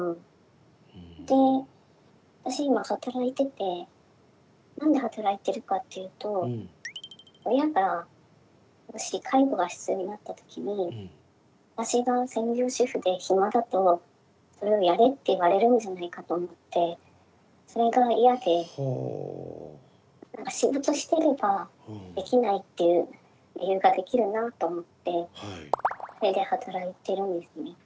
で私今働いてて何で働いているかっていうと親がもし介護が必要になった時に私が専業主婦で暇だとそれをやれって言われるんじゃないかと思ってそれが嫌で何か仕事してればできないっていう理由ができるなあと思ってそれで働いてるんですね。